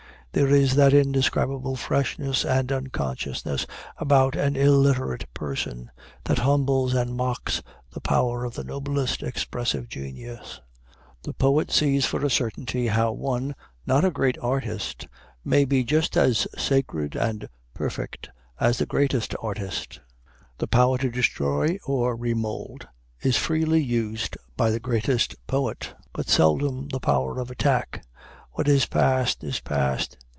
There is that indescribable freshness and unconsciousness about an illiterate person, that humbles and mocks the power of the noblest expressive genius. The poet sees for a certainty how one not a great artist may be just as sacred and perfect as the greatest artist. The power to destroy or remould is freely used by the greatest poet, but seldom the power of attack. What is past is past.